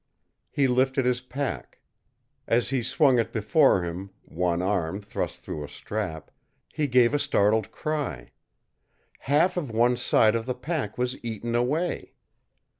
He lifted his pack. As he swung it before him, one arm thrust through a strap, he gave a startled cry. Half of one side of the pack was eaten away!